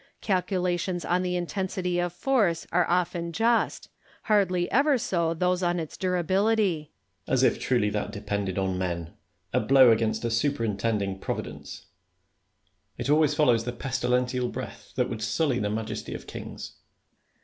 Calculations on the intensity of force are often just ; hardly ever so those on its durability. 1 50 IMA CjTNA R Y CONVERSA TIOIVS. Merino. As if truly that depended on men !— a blow against a superintending Providence 1 It always follows the pestilential breath that would sully the majesty of kings.